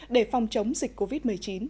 để phòng chống dịch covid một mươi chín